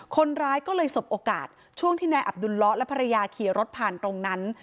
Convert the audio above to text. คนร้ายก็เลยสบโอกาสช่วงที่นายอับดุลเลาะและภรรยาขี่รถผ่านตรงนั้น